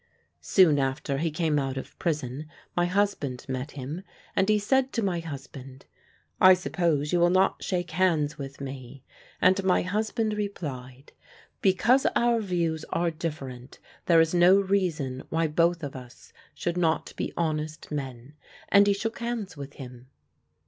Soon after he came out of prison my husband met him, and he said to my husband: 'I suppose you will not shake hands with me?' And my husband replied: 'Because our views are different there is no reason why both of us should not be honest men,' and he shook hands with him."